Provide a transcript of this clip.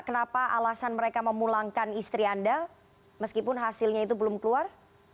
kenapa alasan mereka memulangkan istri anda meskipun hasilnya itu belum keluar